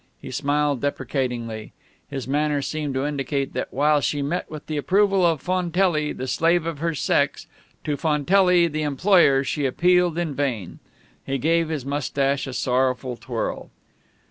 He smiled deprecatingly. His manner seemed to indicate that, while she met with the approval of Fontelli, the slave of her sex, to Fontelli, the employer, she appealed in vain. He gave his mustache a sorrowful twirl.